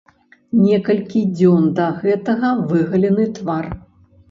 Некалькі дзён да гэтага выгалены твар.